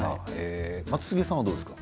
松重さんはどうですか？